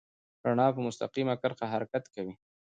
رڼا په مستقیمه کرښه حرکت کوي.